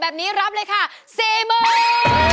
แบบนี้รับเลยค่ะสี่หมื่น